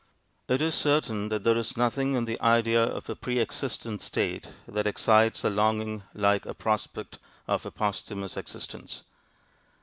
It is certain that there is nothing in the idea of a pre existent state that excites our longing like the prospect of a posthumous existence.